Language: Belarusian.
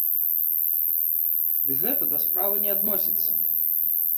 Ды гэта да справы не адносіцца.